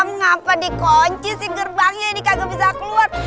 mengapa dikunci sih gerbangnya ini kagak bisa keluar